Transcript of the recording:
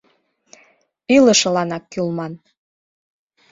Илышыланак кӱлман.